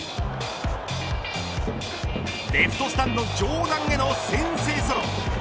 レフトスタンド上段への先制ソロ。